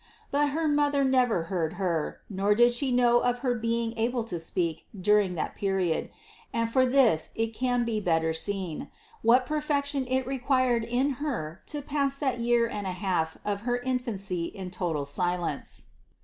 But her mother never heard Her, nor <iid she know of her being able to speak during that period ; and from this it can be better seen, what perfec tion it required in Her to pass that year and a half of her infancy in total silence.